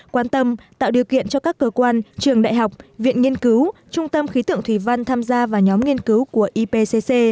quan tâm tạo điều kiện cho các cơ quan trường đại học viện nghiên cứu trung tâm khí tượng thủy văn tham gia vào nhóm nghiên cứu của ipc